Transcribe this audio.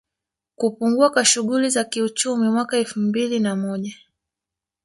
Kupungua kwa shughuli za kiuchumi Mwaka wa elfumbili na moja